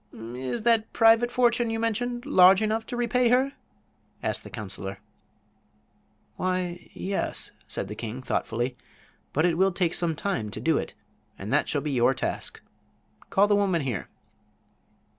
"Is that private fortune you mentioned large enough to repay her?" asked the counselor. "Why, yes," said the king, thoughtfully, "but it will take some time to do it, and that shall be your task. Call the woman here."